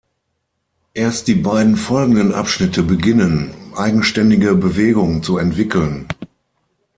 Erst die beiden folgenden Abschnitte beginnen, eigenständige Bewegung zu entwickeln.